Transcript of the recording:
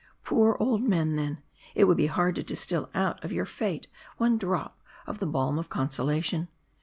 Poor old men, then ; it woul(J be hard to distill out of your fate, one drop of the balm of consolation.